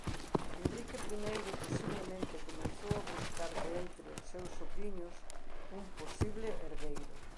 Henrique I posiblemente comezou a buscar de entre os seus sobriños un posible herdeiro.